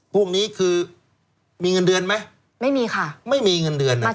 พวกนี้คือมีเงินเดือนไหมไม่มีค่ะไม่มีเงินเดือนนะ